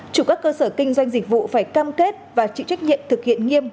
chủ các cơ sở kinh doanh dịch vụ phải cam kết và chịu trách nhiệm thực hiện nghiêm